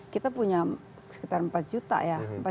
kita punya sekitar empat juta ya